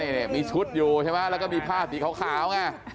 เห็นไหมนะมีชุดอยู่ใช่ไหมแล้วก็มีผ้าตีเขาขาว